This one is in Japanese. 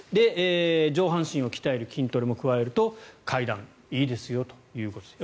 上半身を鍛える筋トレも加えると階段、いいですよということです。